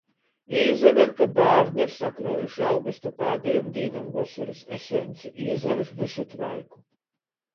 Izaver, ka bārni ir sakruojuši augusta pādejom dīnom vosorys eseņci i izlaiž vysu tvaiku.